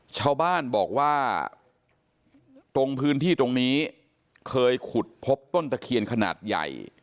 ชาวบ้านบอกว่าตรงพื้นที่ตรงนี้เคยขุดพบต้นตะเคียนขนาดใหญ่